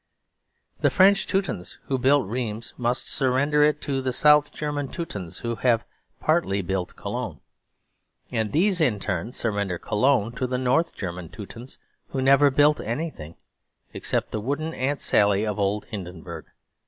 The French Teutons who built Rheims must surrender it to the South German Teutons who have partly built Cologne; and these in turn surrender Cologne to the North German Teutons, who never built anything, except the wooden Aunt Sally of old Hindenburg.